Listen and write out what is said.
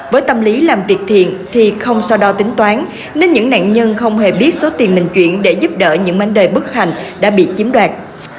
với tâm lý làm việc thiện thì không so đo tính toán nên những nạn nhân không hề biết số tiền mình chuyển để giúp đỡ những vấn đề bức hành đã bị chiếm đoạt